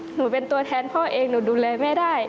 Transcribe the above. หนูเป็นตัวแทนพ่อเองหนูดูแลแม่ได้